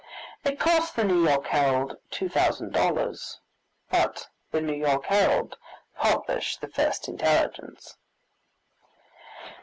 It cost the New York Herald two thousand dollars, but the New York Herald published the first intelligence.